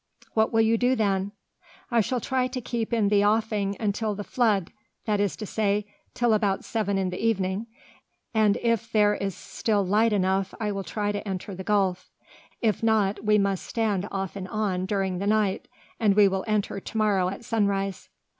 "What will you do then?" "I shall try to keep in the offing until the flood, that is to say, till about seven in the evening, and if there is still light enough I will try to enter the gulf; if not, we must stand off and on during the night, and we will enter to morrow at sunrise."